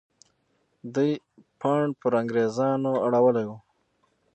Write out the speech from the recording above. دوی پاڼ پر انګریزانو اړولی وو.